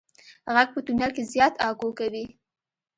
غږ په تونل کې زیات اکو کوي.